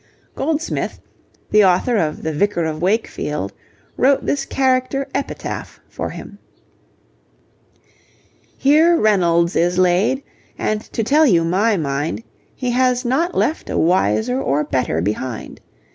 Goldsmith, the author of the Vicar of Wakefield, wrote this character 'epitaph' for him: Here Reynolds is laid, and to tell you my mind, He has not left a wiser or better behind.